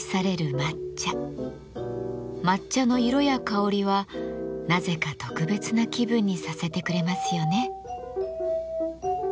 抹茶の色や香りはなぜか特別な気分にさせてくれますよね。